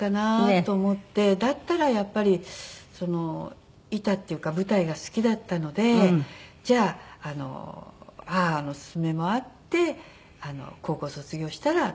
だったらやっぱり板っていうか舞台が好きだったのでじゃあ母の勧めもあって高校卒業したらどこか養成所。